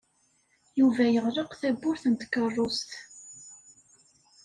Yuba yeɣleq tawwurt n tkeṛṛust.